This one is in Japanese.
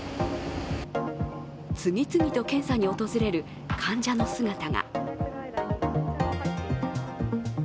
次々と検査に訪れる患者の姿が。